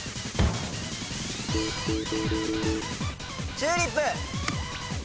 チューリップ！